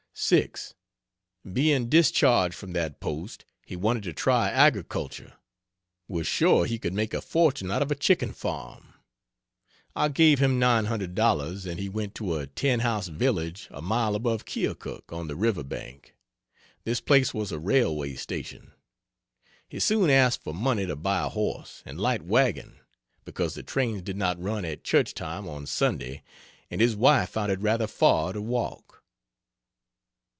6. Being discharged from that post, he wanted to try agriculture was sure he could make a fortune out of a chicken farm. I gave him $900 and he went to a ten house village a miles above Keokuk on the river bank this place was a railway station. He soon asked for money to buy a horse and light wagon, because the trains did not run at church time on Sunday and his wife found it rather far to walk.